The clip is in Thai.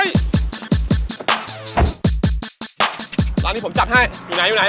สวัสดีครับหมดแล้วหมดแล้ว